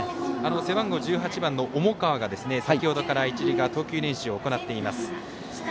背番号１８番の重川が先ほどから、一塁側投球練習を行っています。